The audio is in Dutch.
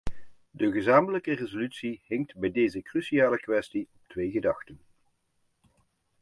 De gezamenlijke resolutie hinkt bij deze cruciale kwestie op twee gedachten.